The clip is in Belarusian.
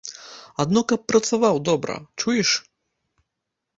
Адно каб працаваў добра, чуеш?